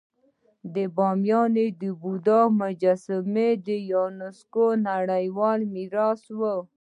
د بامیانو د بودا مجسمې د یونسکو نړیوال میراث وو